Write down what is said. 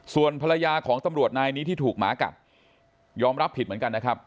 ส่วนภรรยาของตำรวจนายนี้ที่ถูกหมากัดยอมรับผิดเหมือนกันนะครับ